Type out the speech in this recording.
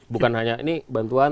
bukan hanya ini bantuan